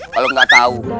kalau nggak tahu